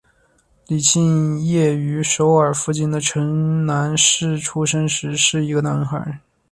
李庆烨于首尔附近的城南市出生时是一个男孩。